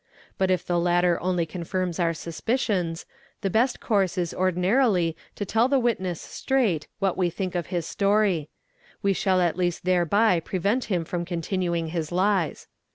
But if the latter only ~ confirms our suspicions, the best course is ordinarily to tell the witness straight what we think of his story; we shall at least thereby prevent him from continuing his lies.